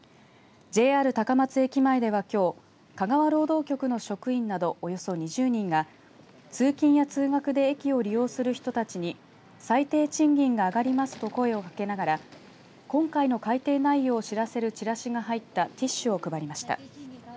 高松駅前では、きょう香川労働局の職員などおよそ２０人が通勤や通学で駅を利用する人たちに最低賃金が上がりますと声をかけながら今回の改定内容を知らせるチラシが入ったティッシュを配りました。